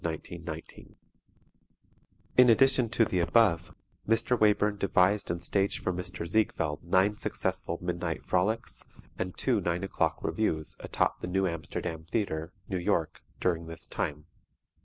[Illustration: OSCAR SHAW] In addition to the above, Mr. Wayburn devised and staged for Mr. Ziegfeld nine successful Midnight Frolics and two Nine O'Clock Revues atop the New Amsterdam Theatre, New York, during this time.